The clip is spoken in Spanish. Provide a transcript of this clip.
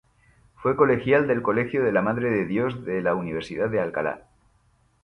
Fue colegial del Colegio de la Madre de Dios de la Universidad de Alcalá.